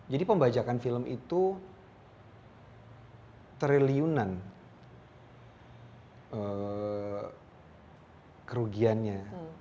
jadi pembajakan film itu triliunan kerugiannya